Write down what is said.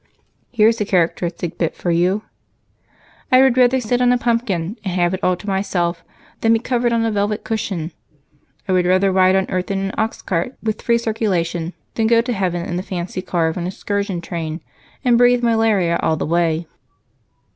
"Here's a characteristic bit for you: 'I would rather sit on a pumpkin, and have it all to myself, than be crowded on a velvet cushion. I would rather ride on earth in an oxcart, with free circulation, than go to heaven in the fancy car of an excursion train, and breathe malaria all the way.'